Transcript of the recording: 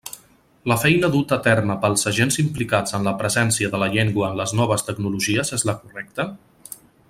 La feina duta a terme pels agents implicats en la presència de la llengua en les noves tecnologies és la correcta?